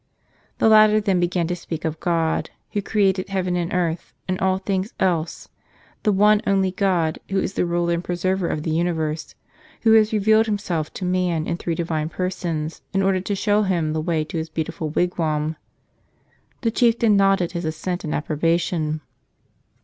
The latter then began to speak of God, Who created heaven and earth and all things else, the one only God, Who is the Ruler and Preserver of the universe, Who has revealed Himself to man in three Divine Persons, in order to show him the way to His beautiful wigwam. The chieftain nodded his assent and approbation.